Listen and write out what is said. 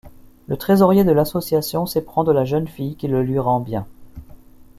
Le trésorier de l'association s'éprend de la jeune fille qui le lui rend bien.